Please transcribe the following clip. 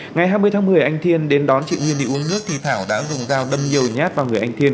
ngày hai mươi tháng một mươi anh thiên đến đón chị nguyên đi uống nước thì thảo đã dùng dao đâm nhiều nhát vào người anh thiên